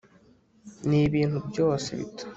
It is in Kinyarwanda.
Nibintu byose bitandukanye